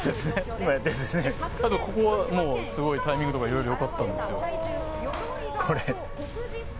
すごい、タイミングとかいろいろ良かったんですよ。